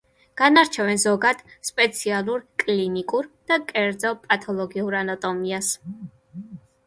განარჩევენ ზოგად, სპეციალურ, კლინიკურ და კერძო პათოლოგიური ანატომიას.